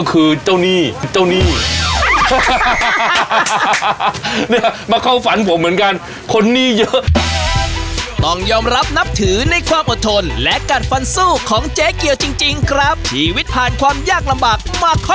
เขาต้องไหว่เรื่อยตัวนี้ไม่ให้เลิก